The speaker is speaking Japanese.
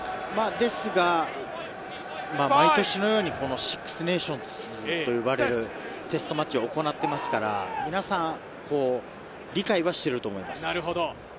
ですが、毎年のようにシックスネーションズと呼ばれるテストマッチを行っていますから、皆さん理解はしていると思います。